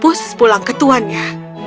pus pulang ke tuannya